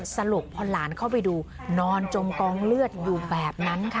สรุปพอหลานเข้าไปดูนอนจมกองเลือดอยู่แบบนั้นค่ะ